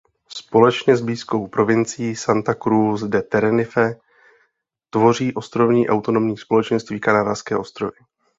Společně s blízkou provincií Santa Cruz de Tenerife tvoří ostrovní autonomní společenství Kanárské ostrovy.